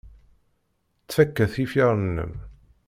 Ttfaka tifyar-nnem.